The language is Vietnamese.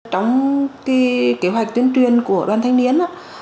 trong kế hoạch tuyên truyền của đoàn thanh niên